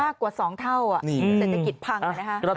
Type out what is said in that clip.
มากกว่า๒เท่าเศรษฐกิจพังเลยนะฮะ